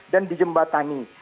dan di jembatani